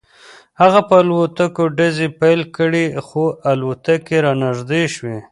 هغه په الوتکو ډزې پیل کړې خو الوتکې رانږدې شوې